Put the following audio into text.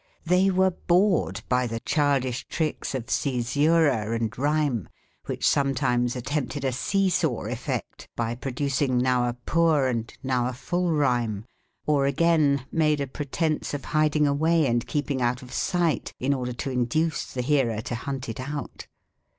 They were bored by the childish tricks of cæsura and rhyme which sometimes attempted a see saw effect by producing now a poor and now a full rhyme, or again made a pretence of hiding away and keeping out of sight in order to induce the hearer to hunt it out.